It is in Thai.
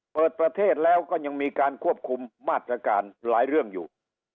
เปิดประเทศแล้วก็ยังมีการควบคุมมาตรการหลายเรื่องอยู่